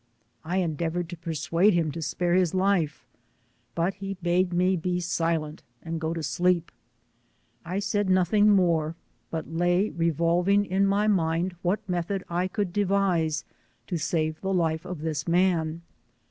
I endeavoured to persuade him' to spare his life, but he bade me be silent and go to sleep. I said nothing more but lay revolving in ray mind what method I could devise to save the life of this man.